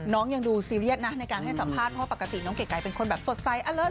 ยังดูซีเรียสนะในการให้สัมภาษณ์เพราะปกติน้องเก๋ไก่เป็นคนแบบสดใส